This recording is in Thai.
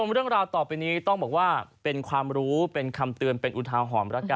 วันนี้ต้องบอกว่าเป็นความรู้เป็นคำเตือนเป็นอุทาห่อม